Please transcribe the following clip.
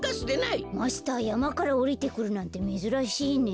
マスターやまからおりてくるなんてめずらしいね。